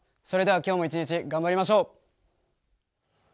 それでは今日も一日頑張りましょう。